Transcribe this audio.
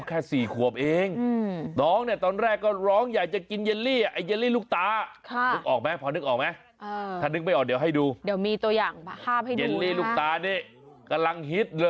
อายุ๔ขวบค่ะน้องเขาแค่๔ขวบเอง